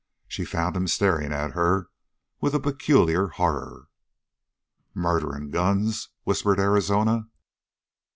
She found him staring at her with a peculiar horror. "Murdering guns!" whispered Arizona.